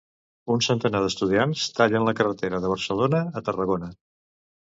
Un centenar d'estudiants tallen la carretera de Barcelona a Tarragona.